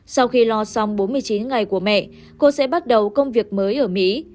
sau khi lo xong bốn mươi chín ngày của mẹ cô sẽ bắt đầu công việc mới ở mỹ